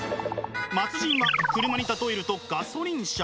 末人は車に例えるとガソリン車。